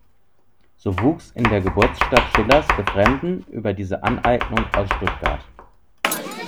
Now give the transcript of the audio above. So wuchs in der Geburtsstadt Schillers Befremden über diese „Aneignung“ aus Stuttgart.